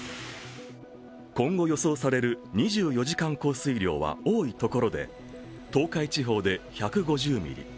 今後予想される２４時間降水量は多いところで東海地方で１５０ミリ